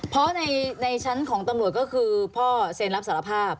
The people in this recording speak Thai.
เพราะในชั้นของตำรวจก็คือพ่อเซ็นรับสารภาพ